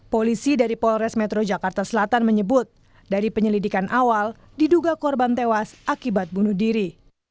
polisi dari polres metro jakarta selatan menyebut dari penyelidikan awal diduga korban tewas akibat bunuh diri